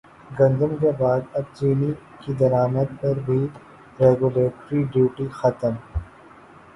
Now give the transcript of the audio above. گندم کے بعد اب چینی کی درامد پر بھی ریگولیٹری ڈیوٹی ختم